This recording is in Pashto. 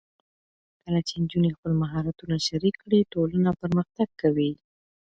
کله چې نجونې خپل مهارتونه شریک کړي، ټولنه پرمختګ کوي.